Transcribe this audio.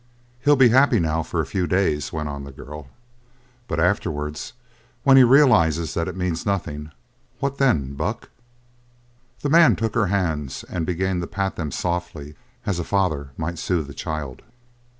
"He'll be happy now for a few days," went on the girl, "but afterwards when he realises that it means nothing what then, Buck?" The man took her hands and began to pat them softly as a father might soothe a child.